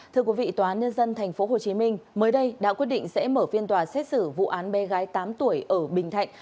thưa quý vị tòa án nhân dân tp hcm mới đây đã quyết định sẽ mở phiên tòa xét xử vụ án bé gái tám tuổi ở bình thạnh